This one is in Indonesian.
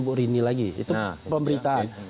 bu rini lagi itu pemberitaan